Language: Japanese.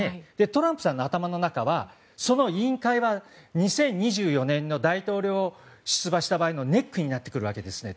トランプさんの頭の中はその委員会は、２０２４年の大統領選に出馬した場合のネックになってくるわけですね。